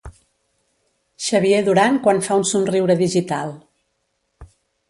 Xavier Duran quan fa un somriure digital.